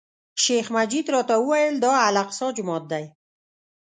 شیخ مجید راته وویل، دا الاقصی جومات دی.